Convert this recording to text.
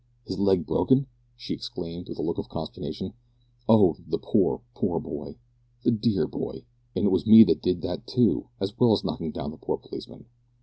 "His leg broken!" she exclaimed with a look of consternation; "Oh! the poor, poor boy! the dear boy! and it was me did that too, as well as knocking down the poor policeman!"